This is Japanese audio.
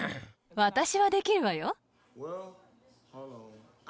私はできるわよ。